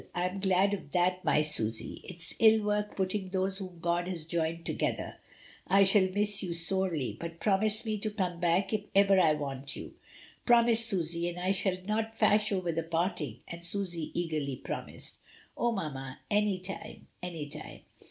I am glad of that, my Susy; it's ill work parting those whom God has joined together. I shall miss you sorely; but promise me to come back if ever I want you. Promise, Susy, and I shall not fash over the parting," and Susy eagerly promised. "Oh, mamma, any time, any time."